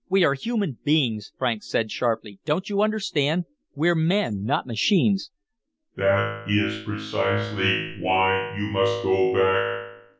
"We are human beings," Franks said sharply. "Don't you understand? We're men, not machines." "That is precisely why you must go back.